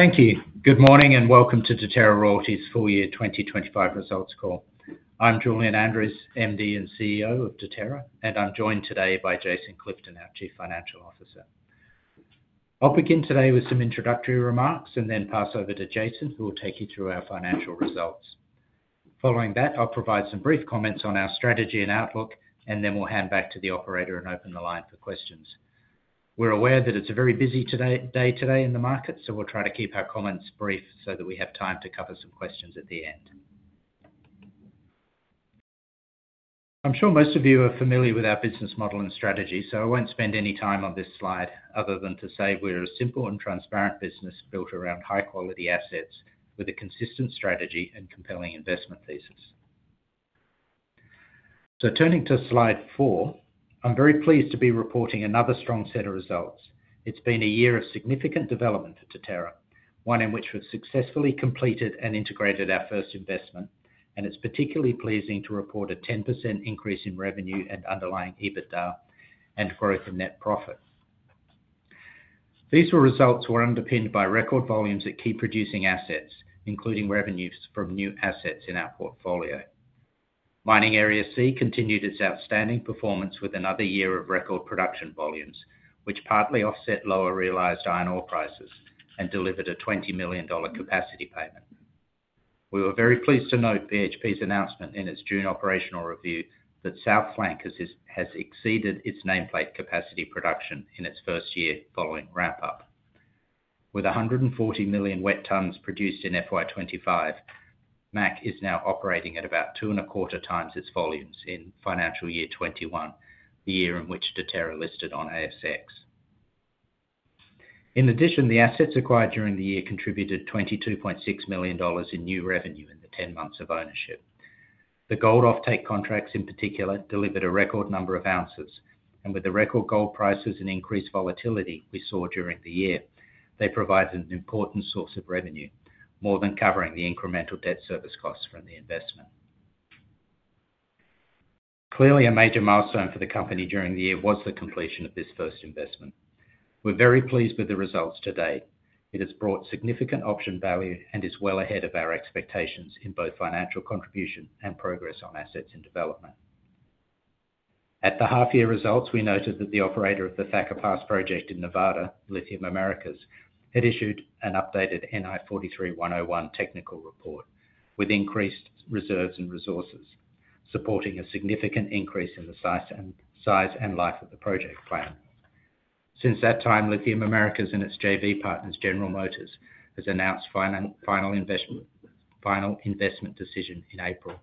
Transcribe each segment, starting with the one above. Thank you. Good morning and welcome to Deterra Royalties' full-year 2025 results call. I'm Julian Andrews, Managing Director and CEO of Deterra, and I'm joined today by Jason Clifton, our Chief Financial Officer. I'll begin today with some introductory remarks and then pass over to Jason, who will take you through our financial results. Following that, I'll provide some brief comments on our strategy and outlook, and then we'll hand back to the operator and open the line for questions. We're aware that it's a very busy day today in the market, so we'll try to keep our comments brief so that we have time to cover some questions at the end. I'm sure most of you are familiar with our business model and strategy, so I won't spend any time on this slide other than to say we're a simple and transparent business built around high-quality assets with a consistent strategy and compelling investment thesis. Turning to slide four, I'm very pleased to be reporting another strong set of results. It's been a year of significant development at Deterra, one in which we've successfully completed and integrated our first investment, and it's particularly pleasing to report a 10% increase in revenue and underlying EBITDA and growth in net profit. These results were underpinned by record volumes at key producing assets, including revenues from new assets in our portfolio. Mining Area C continued its outstanding performance with another year of record production volumes, which partly offset lower realized iron ore prices and delivered a $20 million capacity payment. We were very pleased to note BHP's announcement in its June operational review that South Flank has exceeded its nameplate capacity production in its first year following ramp-up. With 140 million wet tons produced in FY 2025, MAC is now operating at about two and a quarter times its volumes in financial year 2021, the year in which Deterra listed on ASX. In addition, the assets acquired during the year contributed $22.6 million in new revenue in the 10 months of ownership. The gold offtake contracts, in particular, delivered a record number of ounces, and with the record gold prices and increased volatility we saw during the year, they provide an important source of revenue, more than covering the incremental debt service costs from the investment. Clearly, a major milestone for the company during the year was the completion of this first investment. We're very pleased with the results today. It has brought significant option value and is well ahead of our expectations in both financial contribution and progress on assets in development. At the half-year results, we noted that the operator of the Thacker Pass project in Nevada, Lithium Americas, had issued an updated NI 43-101 technical report with increased reserves and resources, supporting a significant increase in the size and life of the project plan. Since that time, Lithium Americas and its JV partners, General Motors, have announced a final investment decision in April,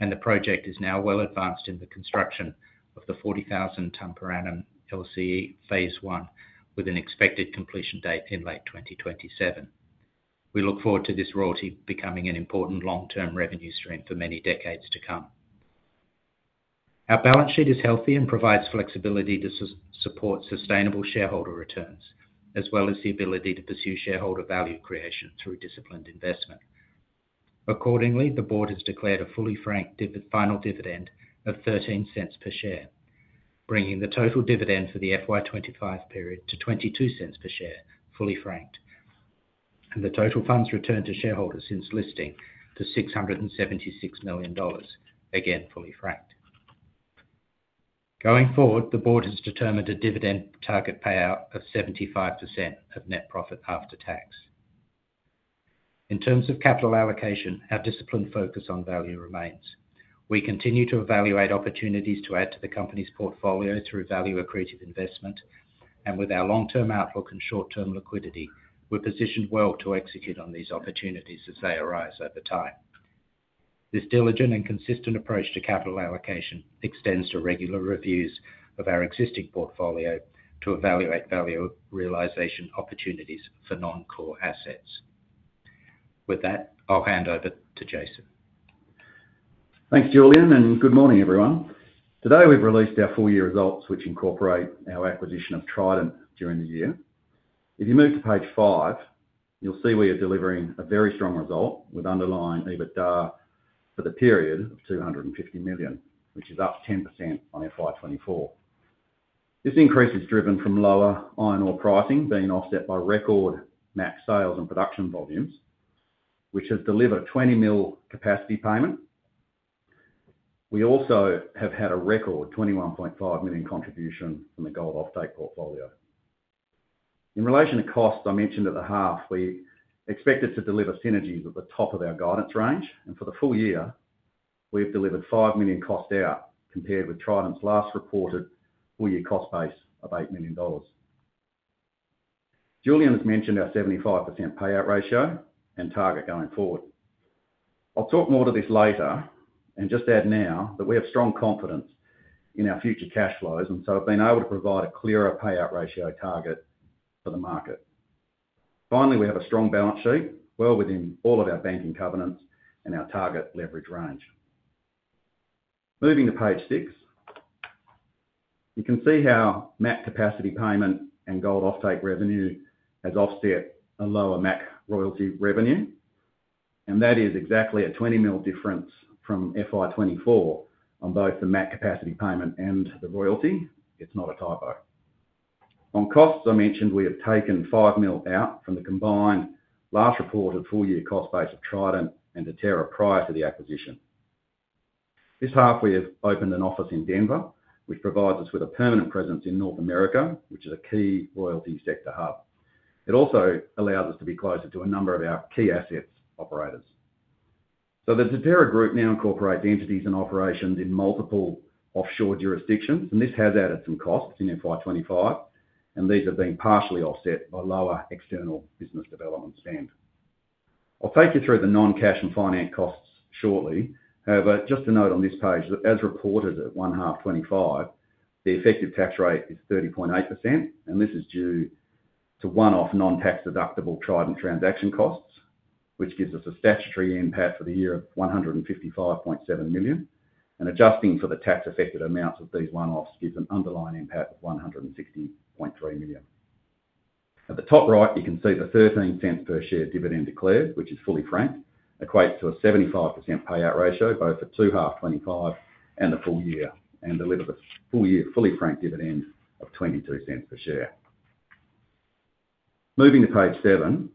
and the project is now well advanced in the construction of the 40,000-ton per annum LCE, phase I, with an expected completion date in late 2027. We look forward to this royalty becoming an important long-term revenue stream for many decades to come. Our balance sheet is healthy and provides flexibility to support sustainable shareholder returns, as well as the ability to pursue shareholder value creation through disciplined investment. Accordingly, the board has declared a fully franked final dividend of $0.13 per share, bringing the total dividend for the FY 2025 period to $0.22 per share, fully franked. The total funds returned to shareholders since listing to $676 million, again fully franked. Going forward, the board has determined a dividend target payout of 75% of net profit after tax. In terms of capital allocation, our disciplined focus on value remains. We continue to evaluate opportunities to add to the company's portfolio through value-accretive investment, and with our long-term outlook and short-term liquidity, we're positioned well to execute on these opportunities as they arise over time. This diligent and consistent approach to capital allocation extends to regular reviews of our existing portfolio to evaluate value realisation opportunities for non-core assets. With that, I'll hand over to Jason. Thanks, Julian, and good morning, everyone. Today, we've released our full-year results, which incorporate our acquisition of Trident during the year. If you move to page five, you'll see we are delivering a very strong result with underlying EBITDA for the period of $250 million, which is up 10% on FY 2024. This increase is driven from lower iron ore pricing being offset by record MAC sales and production volumes, which have delivered a $20 million capacity payment. We also have had a record $21.5 million contribution from the gold offtake portfolio. In relation to costs, I mentioned at the half we expected to deliver synergies at the top of our guidance range, and for the full year, we've delivered $5 million cost out compared with Trident's last reported full-year cost base of $8 million. Julian has mentioned our 75% payout ratio and target going forward. I'll talk more to this later and just add now that we have strong confidence in our future cash flows and so have been able to provide a clearer payout ratio target for the market. Finally, we have a strong balance sheet well within all of our banking covenants and our target leverage range. Moving to page six, you can see how MAC capacity payment and gold offtake revenue have offset a lower MAC royalty revenue, and that is exactly a $20 million difference from FY 2024 on both the MAC capacity payment and the royalty. It's not a typo. On costs, I mentioned we have taken $5 million out from the combined last reported full-year cost base of Trident and Deterra prior to the acquisition. This half, we have opened an office in Denver, which provides us with a permanent presence in North America, which is a key royalty sector hub. It also allows us to be closer to a number of our key assets operators. The Deterra Group now incorporates entities and operations in multiple offshore jurisdictions, and this has added some costs in FY 2025, and these have been partially offset by lower external business development spend. I'll take you through the non-cash and finance costs shortly. However, just to note on this page that as reported at one half, '25, the effective tax rate is 30.8%, and this is due to one-off non-tax deductible Trident transaction costs, which gives us a statutory impact for the year of $155.7 million. Adjusting for the tax-affected amounts of these one-offs gives an underlying impact of $160.3 million. At the top right, you can see the $0.13 per share dividend declared, which is fully franked, equates to a 75% payout ratio both for two halves, 2025, and the full year, and delivered a full year, fully franked dividend of $0.22 per share. Moving to page seven,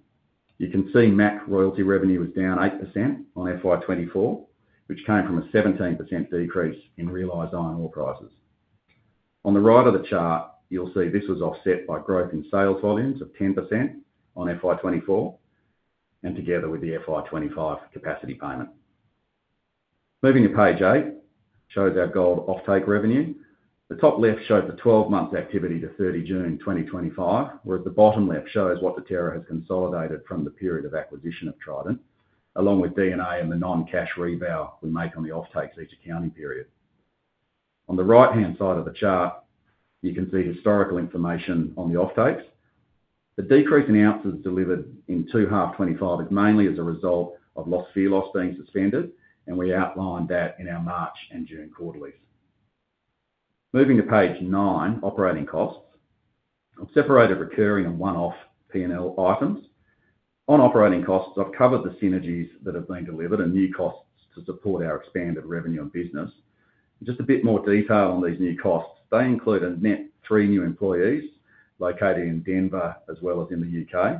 you can see MAC royalty revenue was down 8% on FY 2024, which came from a 17% decrease in realized iron ore prices. On the right of the chart, you'll see this was offset by growth in sales volumes of 10% on FY 2024, and together with the FY 2025 capacity payment. Moving to page eight shows our gold offtake revenue. The top left shows the 12-month activity to 30 June, 2025, whereas the bottom left shows what Deterra has consolidated from the period of acquisition of Trident, along with D&A and the non-cash revaluation we make on the offtakes each accounting period. On the right-hand side of the chart, you can see historical information on the offtakes. The decrease in ounces delivered in two halves, 2025, is mainly as a result of loss fee loss being suspended, and we outline that in our March and June quarterly. Moving to page nine, operating costs, I've separated recurring and one-off P&L items. On operating costs, I've covered the synergies that have been delivered and new costs to support our expanded revenue and business. Just a bit more detail on these new costs, they include a net three new employees located in Denver, as well as in the [Utah],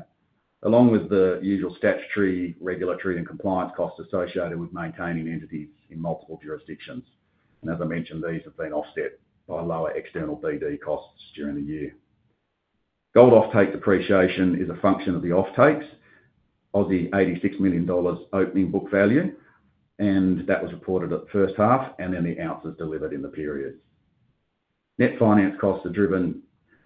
along with the usual statutory, regulatory, and compliance costs associated with maintaining entities in multiple jurisdictions. These have been offset by lower external BD costs during the year. Gold offtakes depreciation is a function of the offtakes of the $86 million opening book value, and that was reported at the first half, and then the ounces delivered in the period. Net finance costs are driven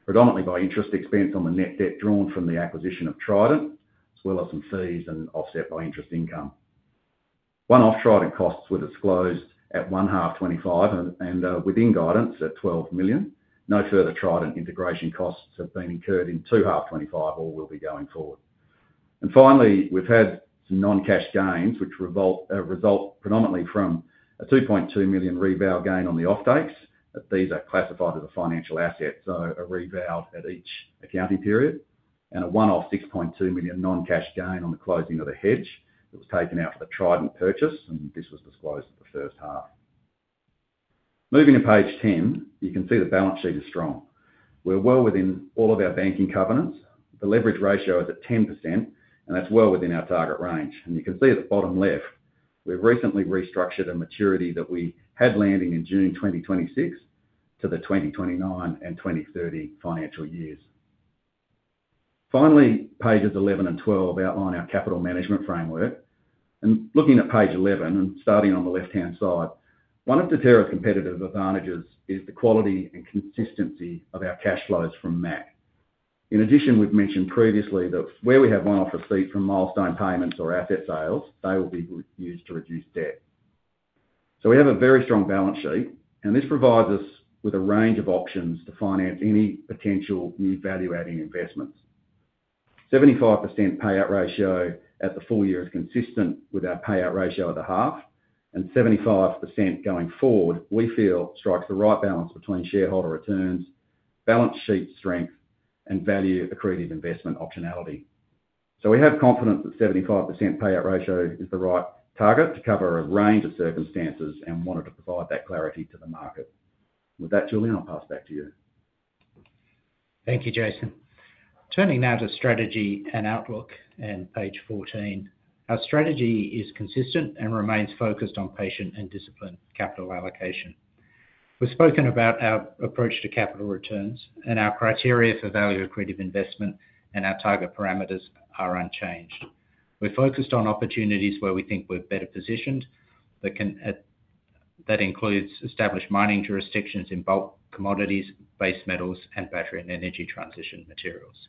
predominantly by interest expense on the net debt drawn from the acquisition of Trident, as well as some fees and offset by interest income. One-off Trident costs were disclosed at one half, 2025, and within guidance at $12 million. No further Trident integration costs have been incurred in two halves, 2025, or will be going forward. Finally, we've had some non-cash gains, which result predominantly from a $2.2 million revaluation gain on the offtakes. These are classified as a financial asset, so a reval at each accounting period, and a one-off $6.2 million non-cash gain on the closing of the hedge that was taken out for the Trident purchase, and this was disclosed at the first half. Moving to page 10, you can see the balance sheet is strong. We're well within all of our banking covenants. The leverage ratio is at 10%, and that's well within our target range. You can see at the bottom left, we've recently restructured a maturity that we had landing in June, 2026 to the 2029 and 2030 financial years. Finally, pages 11 and 12 outline our capital management framework. Looking at page 11, and starting on the left-hand side, one of Deterra's competitive advantages is the quality and consistency of our cash flows from MAC. In addition, we've mentioned previously that where we have one-off receipts from milestone payments or asset sales, they will be used to reduce debt. We have a very strong balance sheet, and this provides us with a range of options to finance any potential new value-adding investments. A 75% payout ratio at the full year is consistent with our payout ratio at the half, and 75% going forward, we feel, strikes the right balance between shareholder returns, balance sheet strength, and value-accretive investment optionality. We have confidence that the 75% payout ratio is the right target to cover a range of circumstances and wanted to provide that clarity to the market. With that, Julian, I'll pass back to you. Thank you, Jason. Turning now to strategy and outlook and page 14, our strategy is consistent and remains focused on patient and disciplined capital allocation. We've spoken about our approach to capital returns, and our criteria for value-accretive investment and our target parameters are unchanged. We're focused on opportunities where we think we're better positioned, that includes established mining jurisdictions in bulk materials, base metals, and battery/energy transition minerals.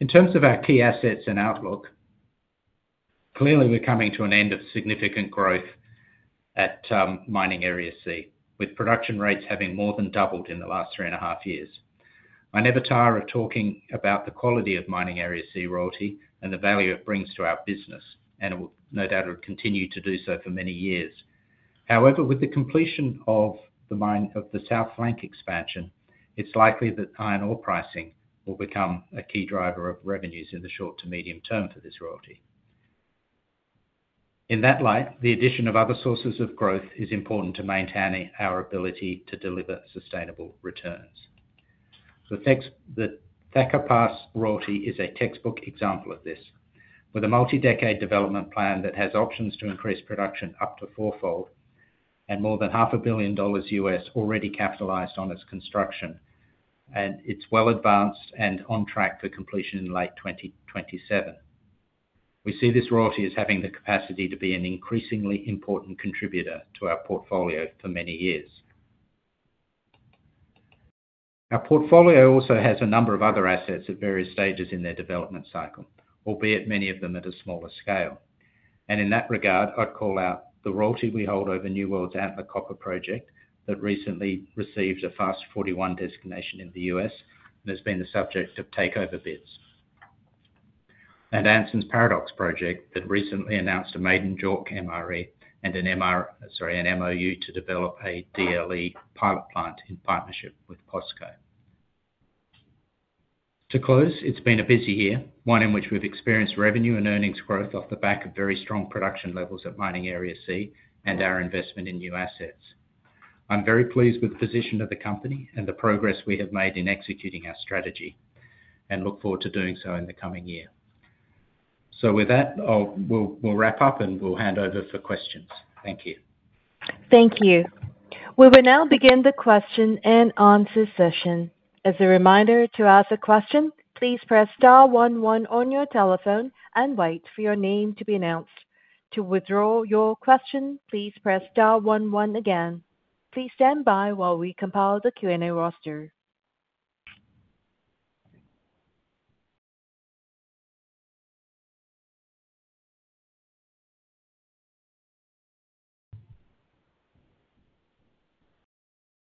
In terms of our key assets and outlook, clearly we're coming to an end of significant growth at Mining Area C, with production rates having more than doubled in the last three and a half years. I never tire of talking about the quality of the Mining Area C royalty and the value it brings to our business, and it will no doubt continue to do so for many years. However, with the completion of the South Flank expansion, it's likely that iron ore pricing will become a key driver of revenues in the short to medium term for this royalty. In that light, the addition of other sources of growth is important to maintain our ability to deliver sustainable returns. The Thacker Pass royalty is a textbook example of this, with a multi-decade development plan that has options to increase production up to fourfold and more than $500 million US already capitalized on its construction, and it's well advanced and on track for completion in late 2027. We see this royalty as having the capacity to be an increasingly important contributor to our portfolio for many years. Our portfolio also has a number of other assets at various stages in their development cycle, albeit many of them at a smaller scale. In that regard, I'd call out the royalty we hold over New World's Antler Copper Project that recently received a FAST- 41 designation in the U.S. and has been the subject of takeover bids, and Anson's Paradox Project that recently announced a maiden [JORC MRE] and an MOU to develop a DLE pilot plant in partnership with POSCO. To close, it's been a busy year, one in which we've experienced revenue and earnings growth off the back of very strong production levels at Mining Area C and our investment in new assets. I'm very pleased with the position of the company and the progress we have made in executing our strategy and look forward to doing so in the coming year. With that, we'll wrap up and we'll hand over for questions. Thank you. Thank you. We will now begin the question and answer session. As a reminder, to ask a question, please press star one one on your telephone and wait for your name to be announced. To withdraw your question, please press star one one again. Please stand by while we compile the Q&A roster.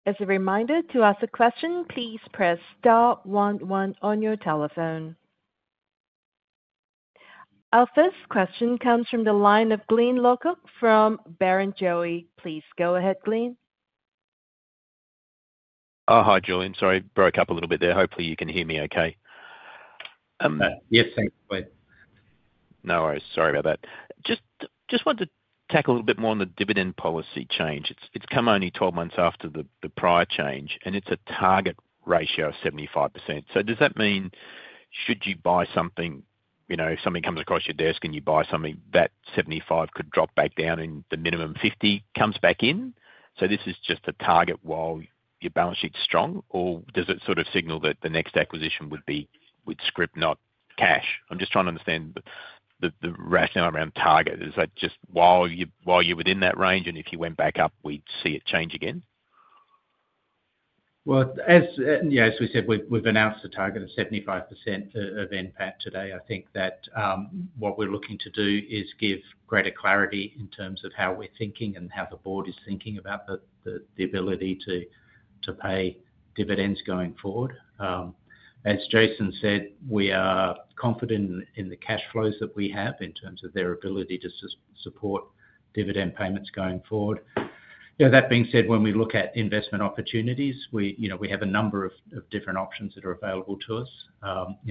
As a reminder, to ask a question, please press star one one on your telephone. Our first question comes from the line of Glyn Lawcock from Barrenjoey. Please go ahead, Glyn. Hi, Julian. Sorry, broke up a little bit there. Hopefully, you can hear me okay. Yes, thanks. No worries. Sorry about that. Just wanted to tackle a little bit more on the dividend policy change. It's come only 12 months after the prior change, and it's a target ratio of 75%. Does that mean, should you buy something, you know, something comes across your desk and you buy something, that 75% could drop back down and the minimum 50% comes back in? This is just a target while your balance sheet's strong, or does it sort of signal that the next acquisition would be with script, not cash? I'm just trying to understand the rationale around target. Is that just while you're within that range, and if you went back up, we'd see it change again? As we said, we've announced a target of 75% of NPAT today. I think that what we're looking to do is give greater clarity in terms of how we're thinking and how the board is thinking about the ability to pay dividends going forward. As Jason said, we are confident in the cash flows that we have in terms of their ability to support dividend payments going forward. That being said, when we look at investment opportunities, we have a number of different options that are available to us.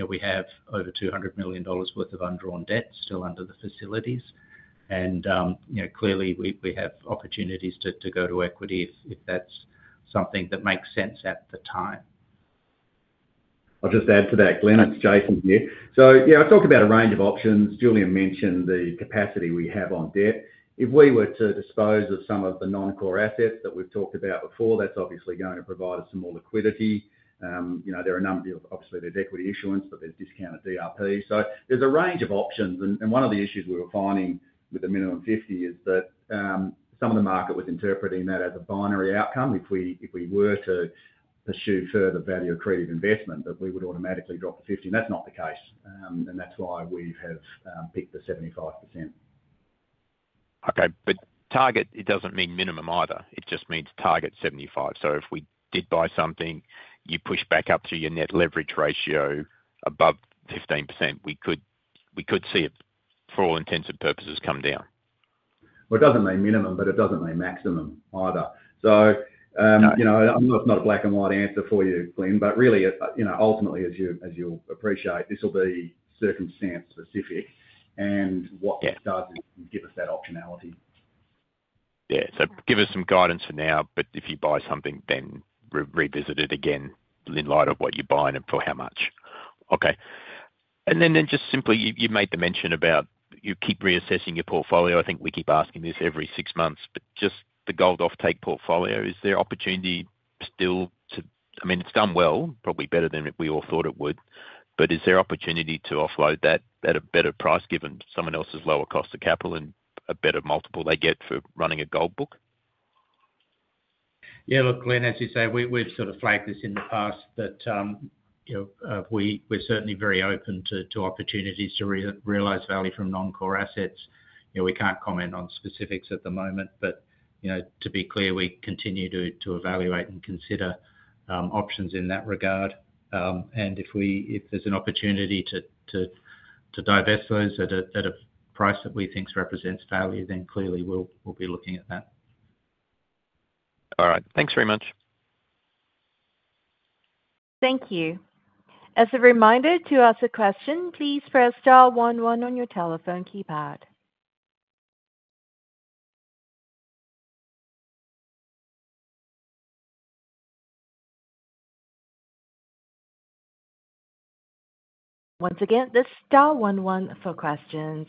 We have over $200 million worth of undrawn debt still under the facilities, and clearly we have opportunities to go to equity if that's something that makes sense at the time. I'll just add to that, Glyn, it's Jason here. I've talked about a range of options. Julian mentioned the capacity we have on debt. If we were to dispose of some of the non-core assets that we've talked about before, that's obviously going to provide us some more liquidity. There are a number of, obviously, there's equity issuance, but there's discounted DRP. There's a range of options, and one of the issues we were finding with the minimum 50% is that some of the market was interpreting that as a binary outcome. If we were to pursue further value-accretive investment, that we would automatically drop to 50%, and that's not the case, and that's why we have picked the 75%. Okay, target doesn't mean minimum either. It just means target 75%. If we did buy something, you push back up to your net leverage ratio above 15%, we could see it, for all intents and purposes, come down. It doesn't mean minimum, but it doesn't mean maximum either. I'm not a black and white answer for you, Glyn, but really, ultimately, as you'll appreciate, this will be circumstance specific, and what it does is give us that optionality. Yeah, so give us some guidance for now, but if you buy something, then revisit it again in light of what you're buying and for how much. Okay, and then just simply, you made the mention about you keep reassessing your portfolio. I think we keep asking this every six months, but just the gold offtake portfolio, is there opportunity still to, I mean, it's done well, probably better than we all thought it would, but is there opportunity to offload that at a better price given someone else's lower cost of capital and a better multiple they get for running a gold book? Yeah, look, Glyn, as you say, we've sort of flagged this in the past, but you know, we're certainly very open to opportunities to realize value from non-core assets. You know, we can't comment on specifics at the moment, but you know, to be clear, we continue to evaluate and consider options in that regard. If there's an opportunity to divest those at a price that we think represents value, then clearly we'll be looking at that. All right, thanks very much. Thank you. As a reminder, to ask a question, please press star one one on your telephone keypad. Once again, the star one one for questions.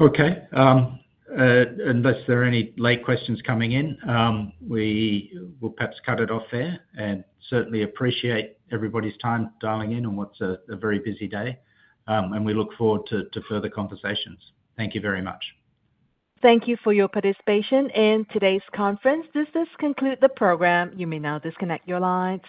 Okay, unless there are any late questions coming in, we will perhaps cut it off there and certainly appreciate everybody's time dialing in on what's a very busy day, and we look forward to further conversations. Thank you very much. Thank you for your participation in today's conference. This concludes the program. You may now disconnect your lines.